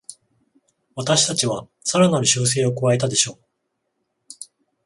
私たちはさらなる修正を加えたでしょう